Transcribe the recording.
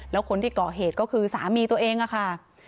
แล้วคนที่ก่อเหตุก็คือสามีตัวเองค่ะ